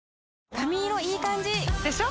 髪色いい感じ！でしょ？